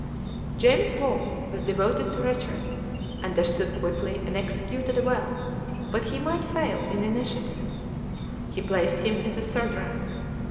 James Wall was devoted to Richard, understood quickly and executed well, but he might fail in initiative; he placed him in the third rank.